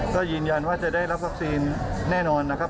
ก็ยืนยันว่าจะได้รับวัคซีนแน่นอนนะครับ